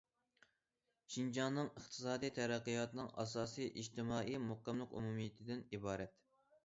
شىنجاڭنىڭ ئىقتىسادىي تەرەققىياتىنىڭ ئاساسى ئىجتىمائىي مۇقىملىق ئومۇمىيىتىدىن ئىبارەت.